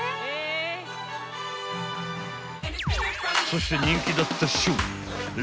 ［そして人気だったショー］